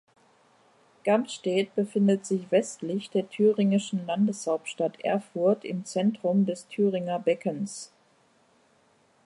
Gamstädt befindet sich westlich der thüringischen Landeshauptstadt Erfurt im Zentrum des Thüringer Beckens.